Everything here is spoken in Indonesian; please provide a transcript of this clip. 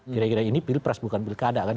kira kira ini pilpres bukan pilkada kan